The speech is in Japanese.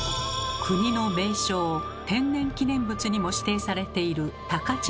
国の名勝天然記念物にも指定されている高千穂峡。